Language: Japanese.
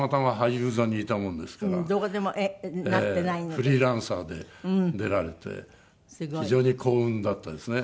フリーランサーで出られて非常に幸運だったですね。